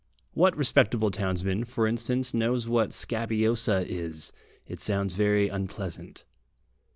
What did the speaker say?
What respectable townsman, for instance, knows what "scabiosa" is? It sounds very unpleasant.